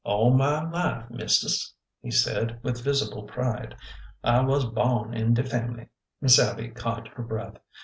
'' All my life, mistis," he said, with visible pride. '' I was bawn in de fambly." Miss Abby caught her breath.